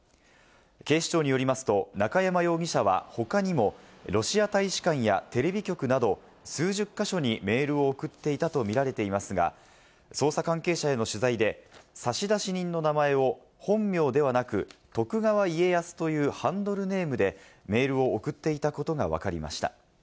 警視庁によりますと、中山容疑者は他にもロシア大使館やテレビ局など数十か所にメールを送っていたとみられていますが、捜査関係者への取材で差出人の名前を本名ではなく、徳川家康というハンドルネームでメールを送っていたことがわかりました。